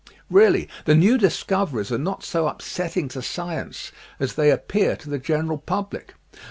Really, the new discoveries are not so upsetting to science as they appear to the general public.